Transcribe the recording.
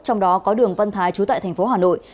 trong đó có đường văn thái trú tại thành phố hà nội